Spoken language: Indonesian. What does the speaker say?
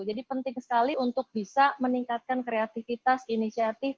penting sekali untuk bisa meningkatkan kreativitas inisiatif